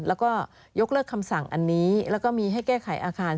แล้วก็ยกเลิกคำสั่งอันนี้แล้วก็มีให้แก้ไขอาคาร